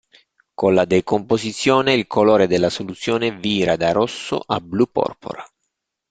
Con la decomposizione il colore della soluzione vira da rosso a blu-porpora.